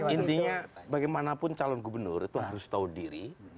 intinya bagaimanapun calon gubernur itu harus tahu diri